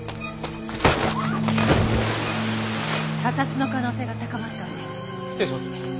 他殺の可能性が高まったわね。